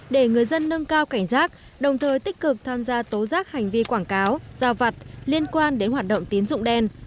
để người dân nâng cao cảnh giác đồng thời tích cực tham gia tố giác hành vi quảng cáo giao vặt liên quan đến hoạt động tín dụng đen